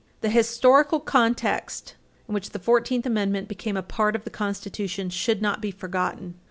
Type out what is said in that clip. The historical context in which the Fourteenth Amendment became a part of the Constitution should not be forgotten.